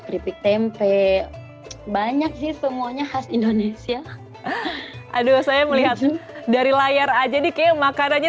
dipik tempe banyak sih semuanya khas indonesia aduh saya melihat dari layar aja dike makannya